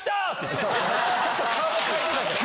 ちょっと顔は変えてたけど。